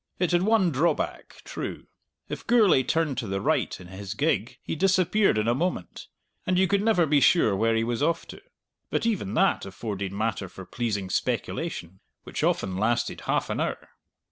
It had one drawback, true: if Gourlay turned to the right in his gig he disappeared in a moment, and you could never be sure where he was off to. But even that afforded matter for pleasing speculation which often lasted half an hour.